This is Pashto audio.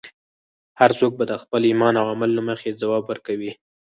هر څوک به د خپل ایمان او عمل له مخې ځواب ورکوي.